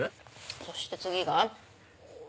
そして次が。